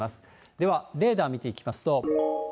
ではレーダー見ていきますと。